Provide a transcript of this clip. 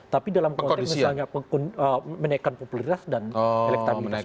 tapi dalam konteks misalnya menaikkan popularitas dan elektabilitas